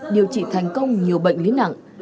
điều trị thành công nhiều bệnh lý nặng